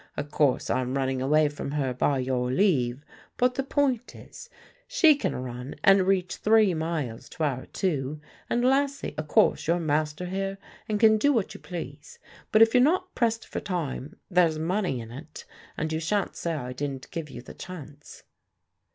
O' course I'm running away from her, by your leave; but the point is she can run and reach three miles to our two. And lastly, o' course you're master here, and can do what you please; but, if you're not pressed for time, there's money in it, and you shan't say I didn't give you the chance."